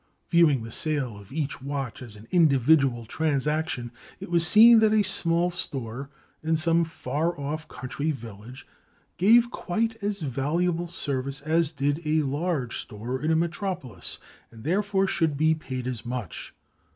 Viewing the sale of each watch as an individual transaction, it was seen that a small store in some far off country village gave quite as valuable service as did a large store in a metropolis, and therefore should be paid as much.